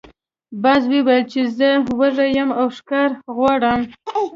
باز وویل چې زه وږی یم او ښکار غواړم.